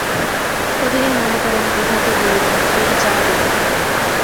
প্রতিদিন মনে করেন, বিভাকে বলিবেন, তুই যা বিভা।